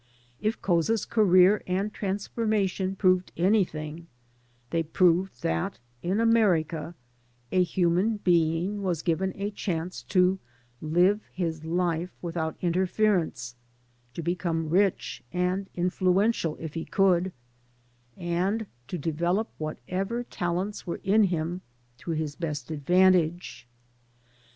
If Couza's career and transformation proved anything, they proved that in America a human being was given a chance to live his life without interference, to become rich and influential if he could, and to develop whatever talents were in him to the best advantage.